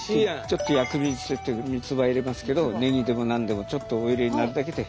ちょっと薬味添えてみつば入れますけどネギでも何でもちょっとお入れになるだけで。